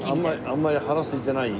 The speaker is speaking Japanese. あんまり腹すいてない？